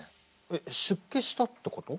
えっ出家したってこと？